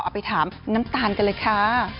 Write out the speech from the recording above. เอาไปถามน้ำตาลกันเลยค่ะ